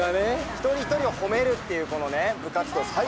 一人一人を褒めるっていうこのね部活動最高。